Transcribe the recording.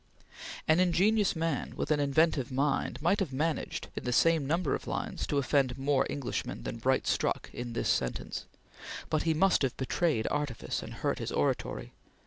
An ingenious man, with an inventive mind, might have managed, in the same number of lines, to offend more Englishmen than Bright struck in this sentence; but he must have betrayed artifice and hurt his oratory.